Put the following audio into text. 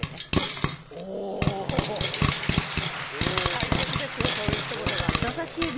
大切ですよそういう一言が。